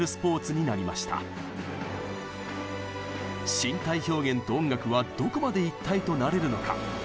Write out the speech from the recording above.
身体表現と音楽はどこまで一体となれるのか？